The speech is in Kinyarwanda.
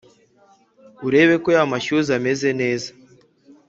urebe ko yamashyuza ameze neza